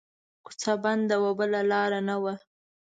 کو څه وه بنده بله لار نه وه